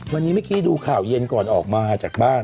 วันนี้เมื่อกี้ดูข่าวเย็นก่อนออกมาจากบ้าน